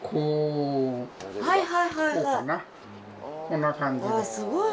こんな感じで。わすごい。